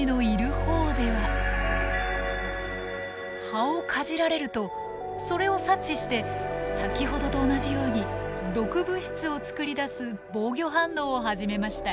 葉をかじられるとそれを察知して先ほどと同じように毒物質を作り出す防御反応を始めました。